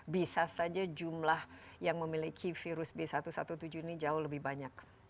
bisa saja jumlah yang memiliki virus b satu satu tujuh ini jauh lebih banyak